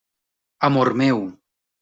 Amor meu!